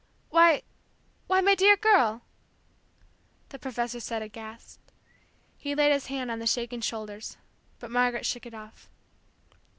"Why, why my dear girl!" the professor said, aghast. He laid his hand on the shaking shoulders, but Margaret shook it off.